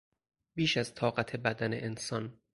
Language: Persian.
بیش از طاقت بدن انسان